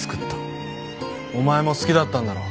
お前も好きだったんだろ？